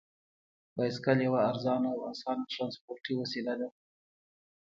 بایسکل یوه ارزانه او اسانه ترانسپورتي وسیله ده.